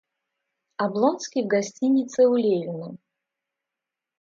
Облонский в гостинице у Левина.